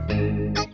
keh gini ya